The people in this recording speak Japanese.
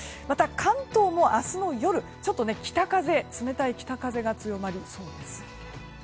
また、関東も明日の夜冷たい北風が強まりそうです。